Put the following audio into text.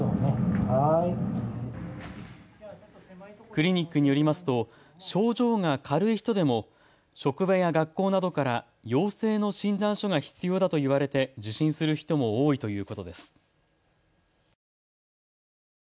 クリニックによりますと症状が軽い人でも職場や学校などから陽性の診断書が必要だと言われて受診する人も多いということです。